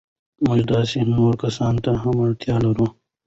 موږ داسې نورو کسانو ته هم اړتیا لرو.